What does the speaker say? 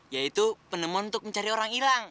yaitu penemuan untuk mencari orang hilang